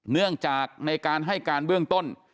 เนื่องจากในการให้การเบื้องต้น